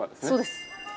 そうです。